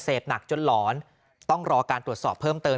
หนักจนหลอนต้องรอการตรวจสอบเพิ่มเติม